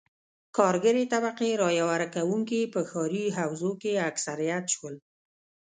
کارګرې طبقې رایه ورکوونکي په ښاري حوزو کې اکثریت شول.